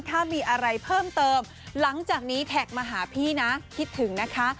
ถ้ามีอะไรเพิ่มเติมหลังจากนี้แท็กมาหาพี่นะคิดถึงนะคะ